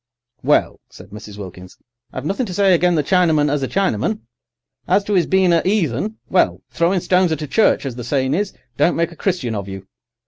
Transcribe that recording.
"Well," said Mrs. Wilkins, "I've nothin' to say agen the Chinaman, as a Chinaman. As to 'is being a 'eathen, well, throwin' stones at a church, as the sayin' is, don't make a Christian of you.